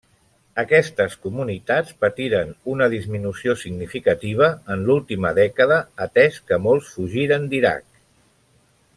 Aquestes comunitats patiren una disminució significativa en l'última dècada, atès que molts fugiren d'Iraq.